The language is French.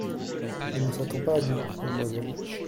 On ne s’attend pas à vous, mademoiselle.